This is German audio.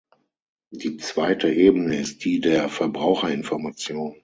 Die zweite Ebene ist die der Verbraucherinformation.